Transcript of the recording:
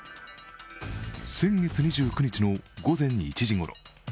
先月２９日の午前１時ごろ。